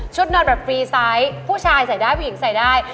นอนแบบฟรีไซส์ผู้ชายใส่ได้ผู้หญิงใส่ได้